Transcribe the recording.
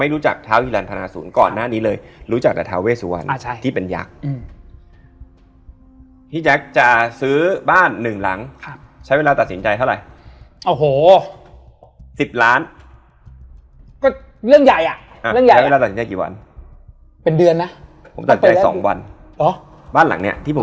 เราต้องชวนเขามาเลยไหม